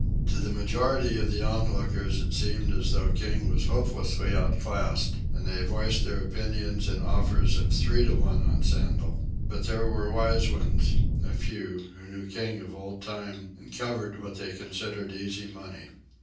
To the majority of the onlookers it seemed as though King was hopelessly outclassed, and they voiced their opinion in offers of three to one on Sandel. But there were wise ones, a few, who knew King of old time, and who covered what they considered easy money.